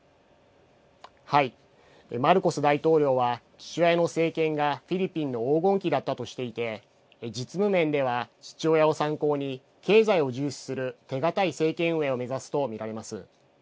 マルコス大統領は父親の政権がフィリピンの黄金期だったとしていて実務面では父親を参考に経済を重視する手堅い政権運営を目指すと見られます。